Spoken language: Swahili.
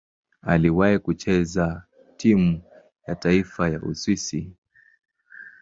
Aliwahi kucheza timu ya taifa ya Uswisi.